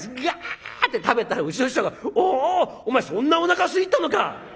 があって食べたらうちの師匠が「おお前そんなおなかすいとんのか。